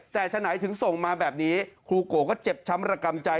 แต่ฉะไหนถึงส่งมาแบบนี้ครูโกะก็เจ็บช้ำระกำใจ